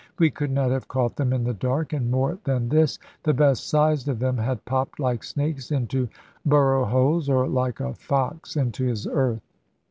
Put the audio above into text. We could not have caught them in the dark; and more than this, the best sized of them had popped, like snakes, into burrow holes, or like a fox into his earth.